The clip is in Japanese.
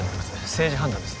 政治判断です